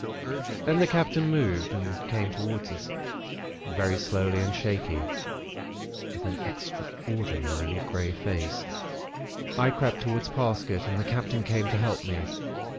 "Then the Captain moved, and came towards us, very slow and shaky, and with an extraordinarily grey face. "I crept towards Parsket, and the Captain came to help me.